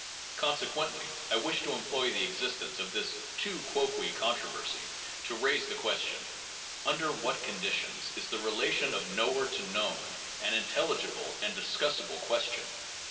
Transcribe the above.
Consequently, I wish to employ the existence of this tu quoque controversy to raise the question : Under what conditions is the relation of knower to known an intelligible and discussable question?